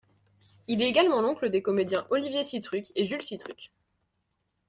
Il est également l'oncle des comédiens Olivier Sitruk et Jules Sitruk.